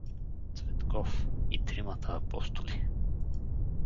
Цветков — и тримата апостоли.